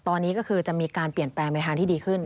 ตอนนี้ก็คือจะมีการเปลี่ยนแปลงไปทางที่ดีขึ้น